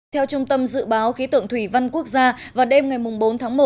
theo trung tâm dự báo khí tượng thủy văn quốc gia vào đêm ngày bốn tháng một